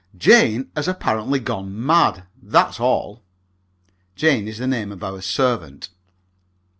Jane has apparently gone mad, that's all." (Jane is the name of our servant.)